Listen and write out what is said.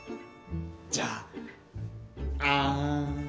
じゃああん。